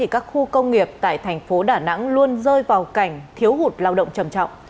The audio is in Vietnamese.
các khu công nghiệp tại thành phố đà nẵng luôn rơi vào cảnh thiếu hụt lao động trầm trọng